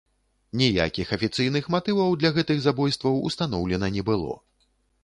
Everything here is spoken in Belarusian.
Ніякіх афіцыйных матываў для гэтых забойстваў ўстаноўлена не было.